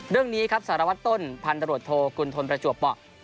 เรื่องนี้ครับสารวัตรต้นพันตรวจโทกุณฑลประจวบเปาะ